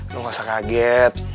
lo gak usah kaget